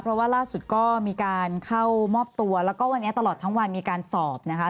เพราะว่าล่าสุดก็มีการเข้ามอบตัวแล้วก็วันนี้ตลอดทั้งวันมีการสอบนะคะ